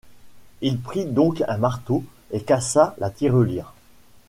Il prit donc un marteau et cassa la tirelire.